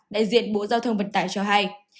đại diện bộ giao thông vận tải cho hay